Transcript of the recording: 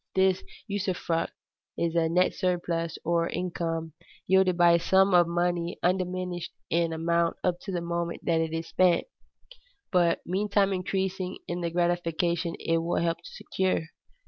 This usufruct is a net surplus, or income, yielded by a sum of money undiminished in amount up to the moment it is spent, but meantime increasing in the gratification it will help to secure.